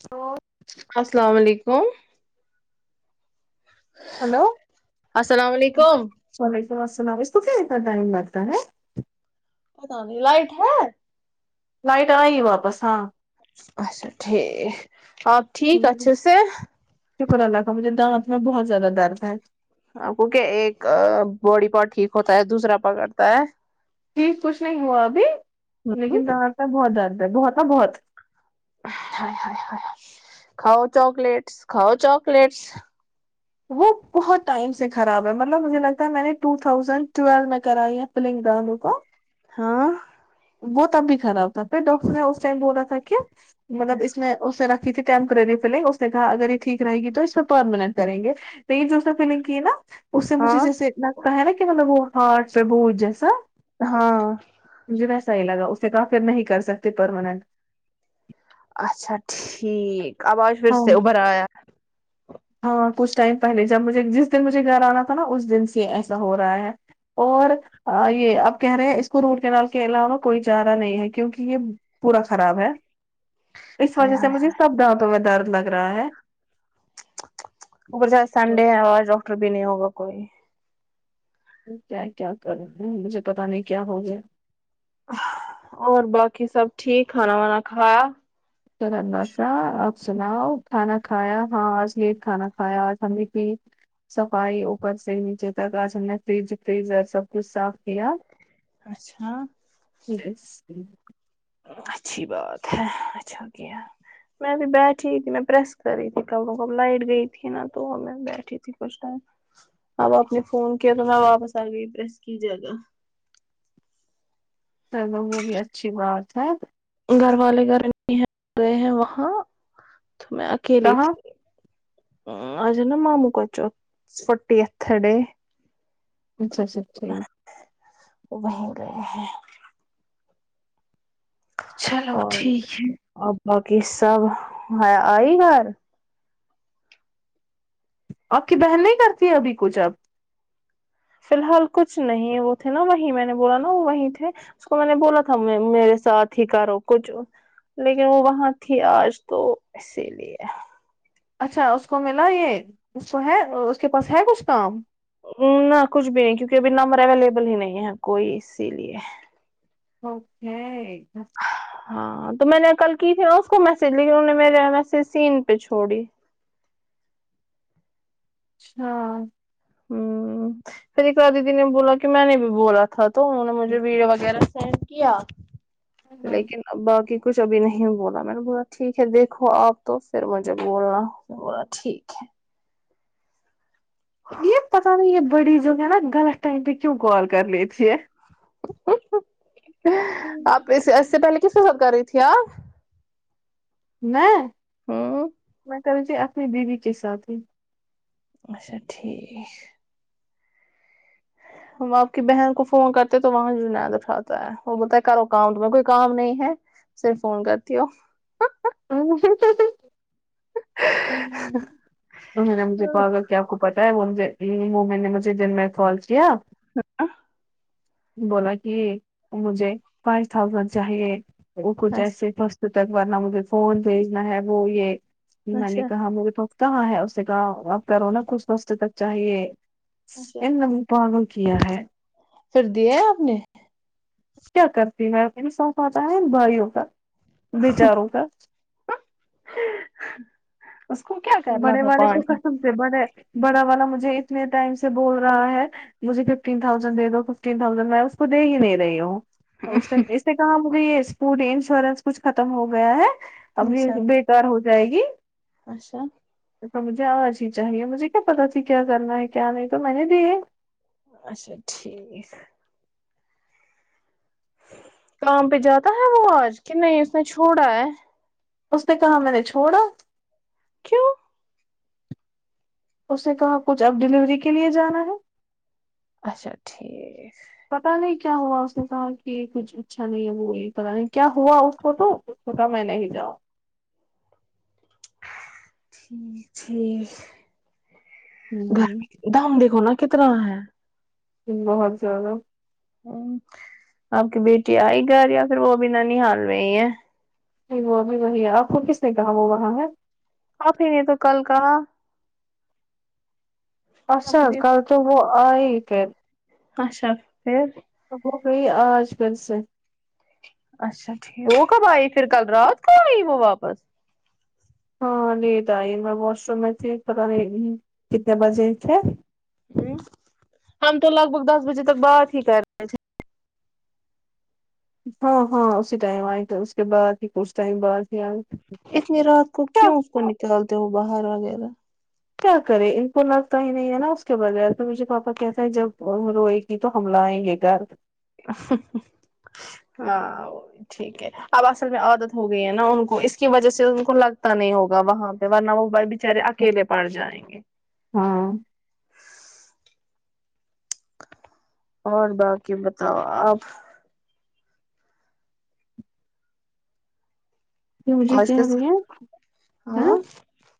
تو السلام علیکم ہیلو السلام علیکم وعلیکم السلام اس ک کیا اتنا ٹائم لگتا ہے پت نہیں لائٹ ہے لائٹ آئی واپس ہاں اچھا ٹھیک آپ ٹھیک اچھے سے شکر اللہ کا مجھے دانت میں بہت زیادہ درد ہے آ کو کیا ایک باڈی پار ٹھیک ہوتا ہے دوسرا پار کرتا ہے ٹھیک کچھ نہیں ہوا ابھی لیکن بھار کا بہت درد ہے بہت کا بہت کاؤ چوکلیٹس کاؤ چوکلیٹس وہ بہت ٹائم سے خراب ہے مطلب مجھے لگتا ہے میں نے ٹو تھازینڈ ٹویل میں کریا ہے پلنگ دانت کو ہاں وہ تب بھی خراب تھا پھر ڈاکٹر نے اس ٹائم بولا تھا کہ مطلب اس میں اس نے رکھی تھی ٹیمپرری فلنگ اس نے کہا اگر یہ ٹھیک رہےی تو اس پہ پرماننٹ کریں گے لیکن جب سے فلنگ کی ہے نا اس سے مجھے ہاں جیسے لگتا ہے نا کہ مطلب وہ ہارٹ پہ بہج جیسا ہاں مجھے ویسا ہی لگا اسے نے کہا فر نہیں کر سکتے پرماننٹ اچھا ٹھیک آواز پھر ہاں سے ابھر آیا ہاں کچھ ٹائم پہلے جب مجھے جس دن مجھے گھر آنا تھا نا اس دن سے ایسا ہو رہا ہے اور یہ اب کہہ رہے ہیں اس کو روٹ کنال کے علاوہ کوئی جا رہا نہیں ہے کیونکہ یہ پورا خراب ہے اس ہائے وجہ سے ہائے مجھے سب دانتوں میں درد لگ رہا ہے اگر آج سنڈے ہےاز ڈاکٹر بھی نہیں ہوگا کوئی کیا کیا کر رہے ہیں مجھے پتا نہیں کیا ہو گیا اور باقی سب ٹھیک کھانا وا کھایا چر باشاہ آپ سناؤ کھانا کھایا ہاں آج لیٹ کھانا کھایا آج ہم نے صفائی اوپر سے نیچے تک آج ہم نے فریج فریزر سب کچھ صاف کیا اچھا یس اچھی بات ہے اچھا کیا میں ابھی بیٹھی تھی میں پریس کر رہی تھی کبوں کب لائٹ گئی تھی نا تو میں بیٹھی تھی کچھ ٹائم اب آپ نے فون کیا تو میں واپس آ گئی پریس کی جگا چلوں یہ بھی اچھی بات ہے گھر والے گھر نہیں ہیں گئے ہیں وہاں تو میں کے لے کہاں تھی اج نا معموکچو فٹی ایت ڈے اچھا اچھا تھیک وہ وہیں گئے ہیں چلو اور ٹھیک ہے اب باقی سب ہیا آئی گھر آپ کی بہن نہیں کرتی ہے ابھی کچھ اب فی الحال کچھ نہیں وہ تھے نا وہیں میں نے بولا نا وہ وہیں تھے اس کو میں نے بولا تھا میں میرے ساتھ ہی کرو کچھ لیکن وہ وہاں تھی آج تو اسی لیے اچھا اس کو ملا یہ اس کو ہے اس کے پاس ہے کچھ کام نہ کچھ بھی نہیں کیونکہ ابھی نمبر اویلیبل ہی نہیں ہے کوئی اسی لیے اوکے ہاں تو میں نے کل کی تھی ن اس کو میسج لیکن انوں نے میرے میسج سین پہ چھوڑی اچھا ہوں پھر ایکار دیدی نے بولا کہ میں نے بھی بولا تھا تو انہوں نے مجھے اچھا ویڈیو وغیرہ سینڈ کیا لیکن باقی کچھ ابھی نہیں بولا میں نے بولا ٹھیک ہے دیکھو آپ تو پھر مجھے بولنا بولا ٹھیک ہے یہ پتا نہیں ہے بڑی جو ہے نا غلط ٹائم پہ کیوں کال کر لی تھی ہے آپ اس سے پہلے کس ہک کر رہی تھی آپ میں ہوں میں کر رہی تھی اپن بی بی کے ساتھ ہی اچھا ٹھیک ہم آپ کی بہن کو فون کرتے تو وہاں جند اٹھاتا ہے وہ بتا ہے کرو کام تمہیں کوئی کام نہیں ہے صرف فون کرتی ہو [unintelligible] انہوں نے مجھے کہا پاگل کہ آپ کو پتا ہے وہ مجھ سے وہ میں نے مجھے دن میں کال کیا ہ بولا کہ مجھے فائیو تھازینڈ چاہیے وہ کچھ ایسے فس تک ورنہ مجھے فون بھیجنا ہے وہ یہ میں نے اچھا کہا مجھے تو کہاں ہے اس سے کام آپ کرو نا کچھ سستے تک چاہیے اچھا انم پگل کیا ہے پھر دیا آپ نے کیا کرتی ہوں میں انصاف آتا ہے بھائیوں کا بیےچاروں کا اس کو کیا کرنا بڑے تھا والے تو پچ قسم بڑے بڑا والا مجھے اتنے ٹائم سے بول رہا ہے مجھے ففٹین تھاؤزینڈ دے دو ففٹین تھاؤزینڈ میں اس کو دے ہی نہیں رہی ہوں اس اس سے کہ مے یہ اسپوٹ انشورینس کچھ ختم ہو گیا ہے اب اچھا یہ تار ہو جائے گی اچھا مجھے آج ہی چاہیے مجھے کیا پتا تھی کیا کرنا ہے کیا نہیں تو میں نے دی اچھا ٹھیک ہے کام پہ جاتا ہے وہ آج کہ نہیں اس نے چھوڑا ہے اس نے کہا میں نے چھوڑا کیوں اس نے کہا کچھ اب ڈیلیوری کے لیے جانا ہے اچھا ٹھیک پتا نہیں کیا ہوا اس نے کہا کہ کچھ اچھا نہیں ہے وہ وہی پہ نہیں کیا ہوا اس کو تو کو کھا میں نہیں جاؤں ٹھیک ٹھیک ہوں گھر دام دیکھو نا کتنا ہے بہت زیادہ ہ آپ کی بیٹی آئی گا یا پھر وہ بھی نانیہ حال میںی ہے نہیں وہ ابھی وہی ہے آپ کو کس نے کہا وہاں ہے وہ وہا ہے آپ ہی نے تو کل کاہا آپ اچسا کی۔ کل تو وہ آئی پھر اچھا پھر تو ہو گئی آج گھر سے اچا ٹھیک وہ کب آئیے پھر کل رات کوآئی وہ واپس ہاں لیٹ آئی میں واش روم میں تھی پاتا کتنے بجے تھے ہ ہم تو لگ بھگ دس بجے تک بات ہی کر رہے ہاں ہاں اسی ٹائم آئی تو اس کے بعد ہی کچھ ٹائم بعد ہی آئی اتنی رات کو کیا کیون اس کو نکالتے وہ بہار وغیرہ کیا کرے ان کو لرتا ہی نہیں ہے نا اس کے بغیر تو مجھے پاپا کہتا ہے جب روئی گی تو ہم لیں یہ گرد ہاں ٹھیک ہے اب اصل میں عادت ہو گئی ہے نا ان کو اس کی وجہ سے ان کو لگتا نہیں ہوگا وہاں ورنہ وہ بچارے ایکلے پڑ جائیں گے ہاں اور باقی بتاؤ آپ یہ مجھے کہ آج کے رہی ہے ہاں ہ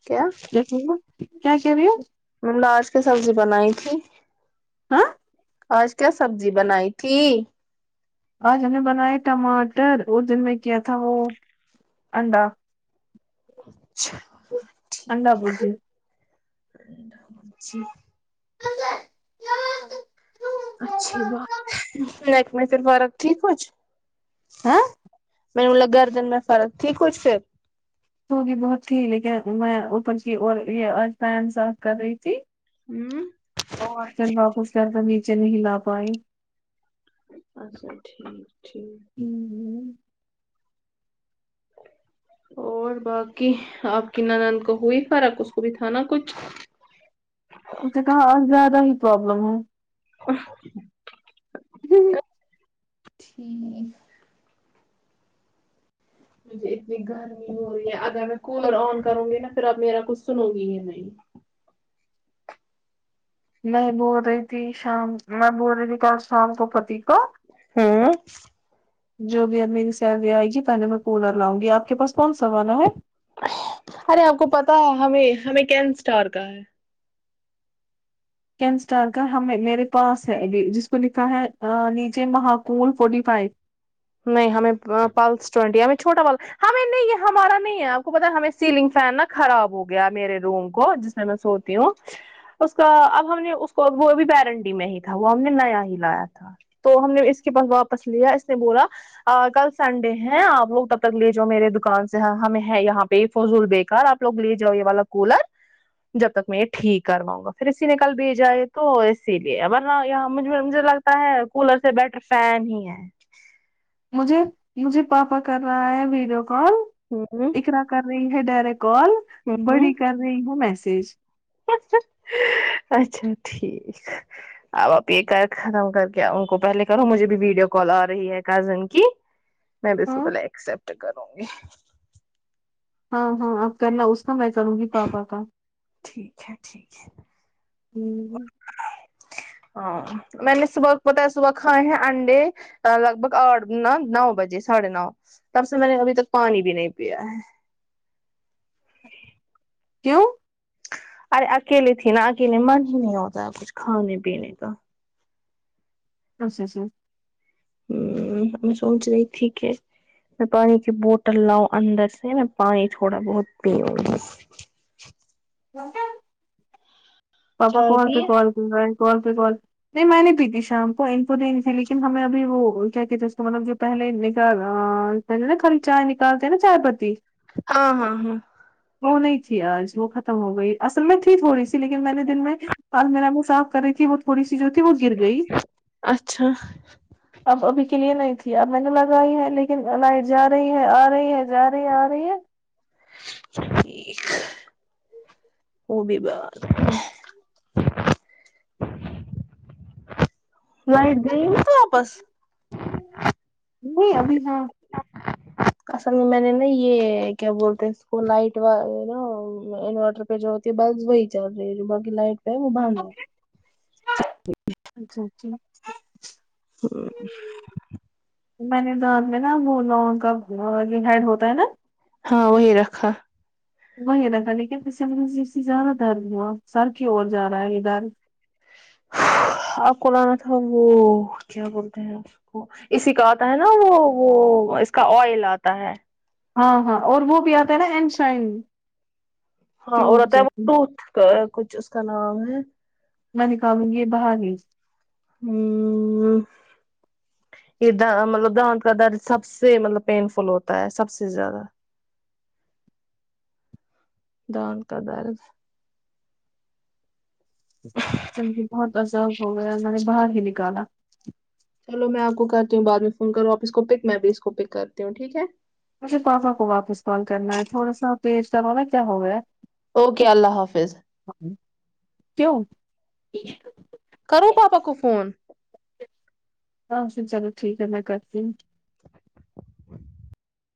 کیا دیکھو کیا کہہ رہی ہے میں نے آج کی سبزی بنائی تھی ہاں آج کیا سبزی بنائی تھی آج ہم نے بنائے ٹماٹر اس دن میں کیا تھا وہ انڈا اچھا انڈا ٹھیک برجی جی [unintelligible] اچھی بات نیک [unintelligible] میں پھر فرق تھی کچھ ہاں مینے بولا گردن میں فرق تھی کچھ پھر تو بھی بہت تھی لیکن میں اوپر کی اور یہ آج فین صاف کر رہی تھی ہوں اور کندھا کچھ ٹائم تک نیچے نہیں لا پائی اچھا ٹھیک ٹھیک ہوں اور باقی آپ کی نند کو ہوئی فرق اس کو بھی تھا نا کچھ اسنے کہاں آز زیادہ ہی پرابلم ہے ہوں تھیک مجھے اتنی گر ہو رہی ہے اگر میں کولر آن کروں گی نا پھر اب میرا کچھ سنو گی ہی نہیں میں بول رہی تھی شام میں بول رہی تھی کل شام کو پتی کو ہاں جو بھی اب میری سیلری آئے گی پہلے میں کولر لاؤں گی آپ کے پاس کون سا والا ہے ارے آپ کو پتا ہے ہمیں ہمیں کین اسٹار کا ہے کینسٹار کا ہمیں میرے پاس ہےابی جس کو لکھا ہے نیچے مہاکول فورٹی فائیو نہیں ہمیں پلس ٹوینٹی ہمیں چھوٹا وال ہمیں نہیں ہمارا نہیں ہے آپ کو پتا ہمیں سیلنگ فین نا خراب ہو گیا میرے روم کو جس مے وان سوتی ہوں اس کا اب ہم نے اس کو وہ بی بوارنٹی میں ہی تھا وہ ہم نے نیا ہی لایا تھا تو ہم نے اس کے پاس واپس لیا اس نے بولا کل سنڈے ہے آپ لوگ تب تک لے جاؤ میرے دکان سے ہمیں ہے یہاں پہ فضول بیکار آپ لوگ لے جاو یہ والا کولر جب تک میں یہ ٹھیک کرواؤ گا پھر اسی نے کل بھیجا ہے تو اسی لیے ورنہ یہ مجھے لگ تا ہے کولر سے بیٹر فین ہی ہے مجھے مجھے پاپا کر رہا ہے ویڈیو کال ہوں اقرا کر رہی ہے ڈائریکٹ کال بڑی ہوں کر رہی ہے میسج اچھا ٹھیک اب آپ یہ کر ختم کر کے ان کو پہلے کرو مجھے بھی ویڈیو کال آ رہی ہے کزن کی میں بھی اسکو ہاں پہلے ایکسپٹ کروں گی ہاں ہاں اپ کرنا اس کا میں کروں گی پاپا کا ٹھیک ہے ٹھیک ہے ہمم ہاں میں نے صبح پتہ ہے صبح کھائے ہیں انڈے لگ بھگ آٹھ نا نو بجے ساڑھے نو تب سے میں نے ابھی تک پانی بھی نہیں پیا ہے کیوں ارے اکیلے تھی نا اکیلے من ہی نہی ہوتا ہے کچھ کھانے پینے کا اچھا اچھا ہمم میں سوچ رہی تھی کہ میں پانی کی بوٹل لاؤں اندر سے میں پانی تھوڑا بہت پیو بس [unintelligible] پاپا چائے کال پے پیے کال کرہے کال پے کال نہیں میں نے پی تھی شام کو ان کو دینی تھی لیکن ہمیں ابھی وہ کیا کہتے ہیں اس کو مطلب جو پہلے پہلے نا خالی چائے نکالتے نا چائے پتی ہاں ہاں ہاں وہ نہیں تھی آج وہ ختم ہو گئی اصل میں تھی تھوڑی سی لیکن میں نے دن میں آج میرا منہ صاف کر رہی تھی وہ تھوڑی سی جو تھی وہ گر گئی اچھا اب ابھی کے لیے نہیں تھی اب میں نے لگائی ہے لیکن لائٹ جا رہی ہے آ رہی ہے جا رہی ہے آ رہی ہے ٹھیک وہ بھی بات لائٹ گئی تو واپس نہیں ابھی ہے اصل میں میں نے نا یے کیا بولتے اس کو لائٹ نا [unintelligible] بس وہی چل رہی ہے جو باقی لائٹ ہے وہ بند ہے اچھا اچھا ہاں میں نے دانت میں نا لونگ کا ہیڈ ہوتا ہے نا ہاں وہی رکھا وہی رکھا لیکن جس سے زیادہ درد ہوا سر کی اور جا رہا ہے یے درد آپ کو لانا تھا وہ کیا بولتے ہیں اسی کا آتا ہے نا وہ وہ اس کا آئل آتا ہے ہاں ہاں اور وہ بھی آتا ہے ناں اینڈ شائن ہاں اور ٹیوب رہتا ہے وہ جیسی ٹوتھ کا کچھ اس کا نام ہے میں نکالوں گی باہر بھی ہمم یے مطلب دانت کا درد سب سے مطلب پین فل ہوتا ہے سب سے زیادہ دانت کا درد سچ میں مجھے بہت عذاب ہو گیا مج نے باہر ہی نکالا چلو میں آپ کو کرتی ہوں بعد میں فون کرو آپ اس کو پک میں بھی اس کو پک کرتی ہوں ٹھیک ہے مجھے پاپا کو واپس کال کرنا ہے تھوڑا سا پیش کروانا کیا ہو گیا ہے اوکے اللہ حافظ کیوں کرو پاپا کو فون ہاں پھر چلو ٹھیک ہے میں کرتی ہوں